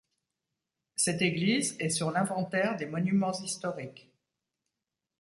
Cette église est sur l'inventaire des Monuments historiques.